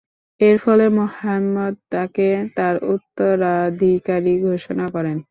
এর ফলে মুহাম্মদ তাকে তার উত্তরাধিকারী ঘোষণা করেন।